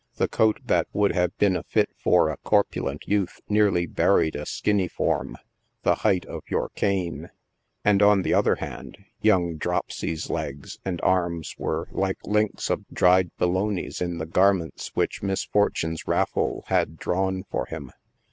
The coat that would have been a fit for a corpulent youth nearly buried a skinny form — the height of your cane. And on the other hand, " young dropsey's" legs and arms were like links of dryed " bolonas" in the garments which misfortune's raffle had drawn for him.